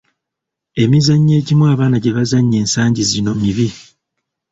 Emizannyo egimu abaana gye bazannya ensangi gino mibi.